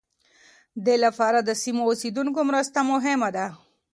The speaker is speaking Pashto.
دې لپاره د سیمو اوسېدونکو مرسته مهمه ده.